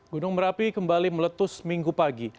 gunung merapi kembali meletus minggu pagi